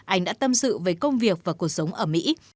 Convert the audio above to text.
anh đã tâm sự về công việc và cuộc sống ở mỹ